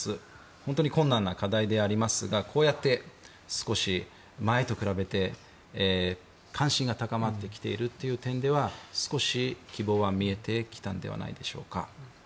本当に困難な課題でありますがこうやって、少し前と比べて関心が高まってきている点では少し希望は見えてきたのではないでしょうか。